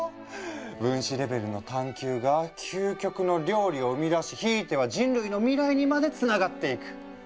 分子レベルの探究が究極の料理を生み出しひいては人類の未来にまでつながっていく。